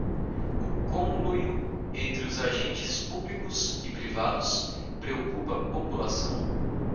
O conluio entre os agentes públicos e privados preocupa a população